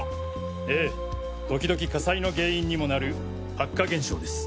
ええ時々火災の原因にもなる発火現象です。